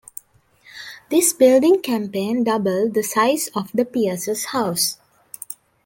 This building campaign doubled the size of the Peirce's house.